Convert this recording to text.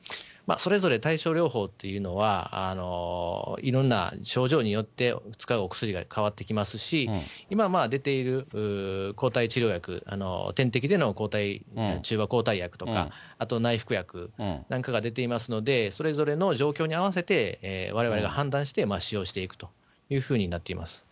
それぞれ対症療法というのは、いろんな症状によって、使うお薬が変わってきますし、今出ている抗体治療薬、点滴での中和抗体薬とか、あと内服薬なんかが出ていますので、それぞれの状況に合わせて、われわれ、判断して使用していくというふうになっています。